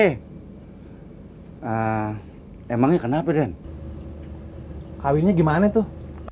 hai ah emangnya kenapa den hai kawinnya gimana tuh